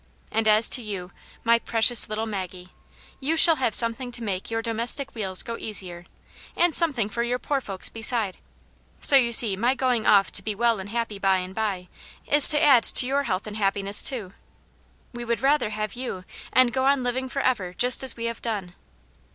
And as to you, my precious little Maggie, you shall have something to make your domestic wheels go easier, and something for your poor folks beside. So you see my going off to be well and happy by and by, is to add to your health and happiness, too." " We would rather have you, and go on living for ever, just as we have done."